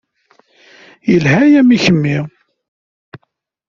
Yelha-yam i kemmi.